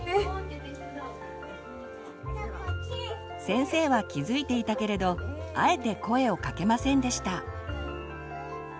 先生は気づいていたけれどあえて声をかけませんでした。